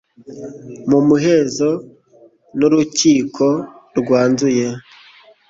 mu muhezo nurukiko rwanzuye